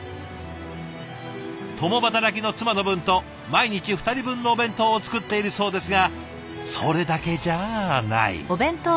共働きの妻の分と毎日２人分のお弁当を作っているそうですがそれだけじゃない。